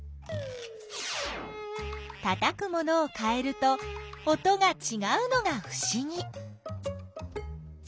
たたく物をかえると音がちがうのがふしぎ！